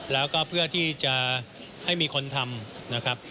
แล้วก็เพื่อที่จะให้มีคนทำนะครับ